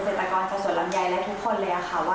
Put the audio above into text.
ส่งกำลังใจไปให้ทุกคนนะคะเราก็